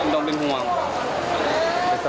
ต้องเป็นห่วงเหลือ